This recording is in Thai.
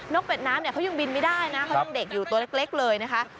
กเป็ดน้ำเนี่ยเขายังบินไม่ได้นะเขายังเด็กอยู่ตัวเล็กเลยนะคะ